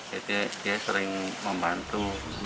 jadi dia sering membantu